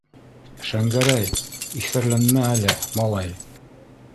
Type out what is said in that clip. Шәңгәрәй, иҫәрләнмә әле, малай!